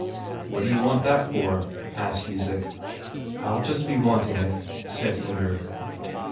"What d'you want that for?" asked Isak. "I'll just be wanting it," said Inger.